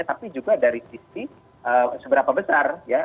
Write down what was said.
tapi juga dari sisi seberapa besar ya